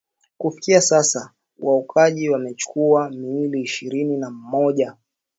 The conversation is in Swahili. kufikia sasa waokoaji wamechukua miili ishirini na moja